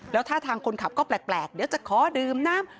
แล้วท่าทางคนขับก็แปลกเดี๋ยวจะขอดื่มน้ำ